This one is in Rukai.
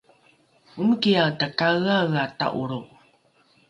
omikiae takaeaea ta’olro